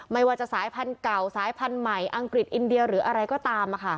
ไม่ว่าจะสายพันธุ์เก่าสายพันธุ์ใหม่อังกฤษอินเดียหรืออะไรก็ตาม